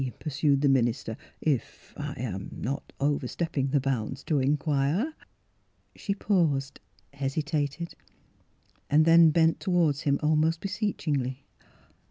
pursued the minister, "if I am not overstepping the bounds to in quire." She paused, hesitated, then bent toward him almost beseechingly.